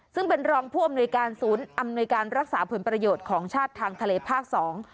ซึ่งเป็นรองผู้อำนวยการศูนย์อำนวยการรักษาผลประโยชน์ของชาติทางทะเลภาคสอง